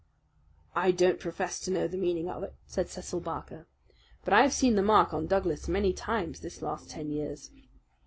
"I don't profess to know the meaning of it," said Cecil Barker; "but I have seen the mark on Douglas many times this last ten years."